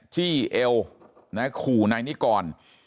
จี้เอวขู่นายนิกร